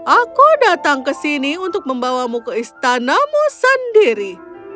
aku datang ke sini untuk membawamu ke istanamu sendiri